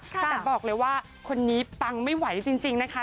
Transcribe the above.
แต่บอกเลยว่าคนนี้ปังไม่ไหวจริงนะคะ